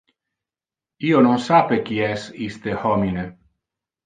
Io non sape qui es iste homine.